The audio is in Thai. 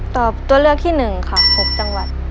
ตัวเลือกที่๑ค่ะ๖จังหวัด